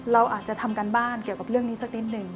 เราอาจจะทำการบ้านเกี่ยวกับเรื่องนี้สักนิดนึง